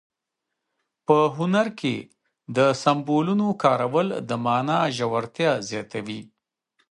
په هنر کې د سمبولونو کارول د مانا ژورتیا زیاتوي.